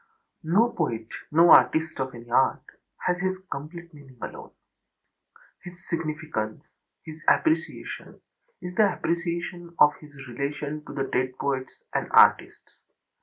No poet, no artist of any art, has his complete meaning alone. His significance, his appreciation is the appreciation of his relation to the dead poets and artists.